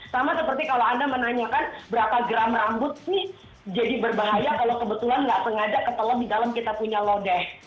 sama seperti kalau anda menanyakan berapa gram rambut nih jadi berbahaya kalau kebetulan nggak sengaja ke telur di dalam kita punya lodeh